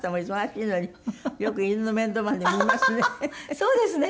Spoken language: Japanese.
そうですね。